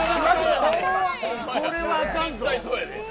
これはあかんぞ。